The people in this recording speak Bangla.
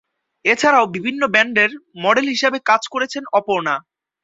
এছাড়াও বিভিন্ন ব্যান্ডের মডেল হিসেবে কাজ করেছেন অপর্ণা।